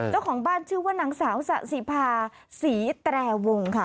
เจ้าของบ้านชื่อว่านางสาวสะสิภาษีแตรวงค่ะ